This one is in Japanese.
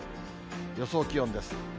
予想気温です。